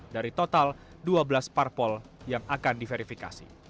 dari total dua belas parpol yang akan diverifikasi